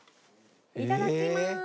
いただきます。